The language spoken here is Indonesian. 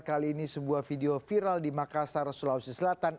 kali ini sebuah video viral di makassar sulawesi selatan